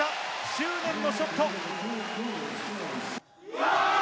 執念のショット！